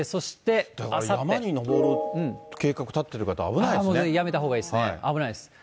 山に登る計画立ててる方、危やめたほうがいいですね、危ないです。